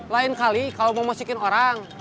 lain kali kalau mau masukin orang